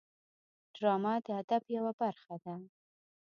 ډرامه د ادب یوه برخه ده